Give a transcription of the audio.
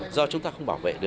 do chúng ta không bảo vệ